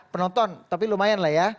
penonton tapi lumayan lah ya